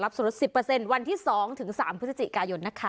รับสรุป๑๐วันที่๒ถึง๓พฤศจิกายนนะคะ